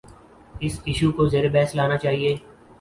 اس issue کو زیربحث لانا چاہیے۔